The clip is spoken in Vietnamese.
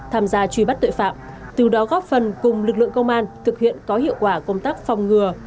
tham gia truy bắt tội phạm từ đó góp phần cùng lực lượng công an thực hiện có hiệu quả công tác phòng ngừa